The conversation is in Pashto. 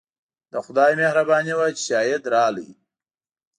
د خدای مهرباني وه چې شاهد راغی.